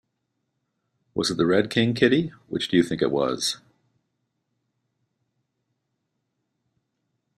Was it the Red King, Kitty? Which do you think it was?